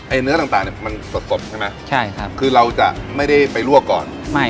เนื้อต่างเนี่ยมันสดสดใช่ไหมใช่ครับคือเราจะไม่ได้ไปลวกก่อนไม่